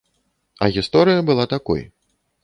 А гісторыя была такой.